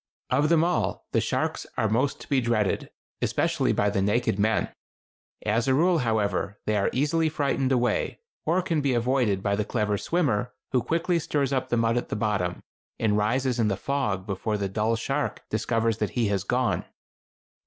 Of them all the sharks are most to be dreaded, especially by the naked men. As a rule, however, they are easily frightened away, or can be avoided by the clever swimmer, who quickly stirs up the mud of the bottom, and rises in the fog before the dull shark discovers that he has gone.